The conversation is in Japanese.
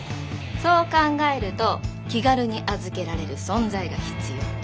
そう考えると気軽に預けられる存在が必要。